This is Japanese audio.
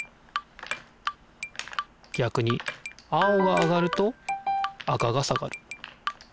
逆に青が上がると赤が下がる。